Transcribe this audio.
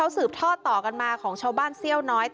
สืบทอดต่อกันมาของชาวบ้านเซี่ยวน้อย